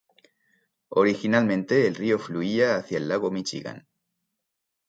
Originalmente, el río fluía hacia el lago Míchigan.